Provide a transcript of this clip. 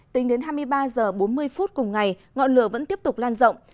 tính đến hai mươi ba h bốn mươi phút cùng ngày ngọn lửa vẫn tiếp tục lan rộng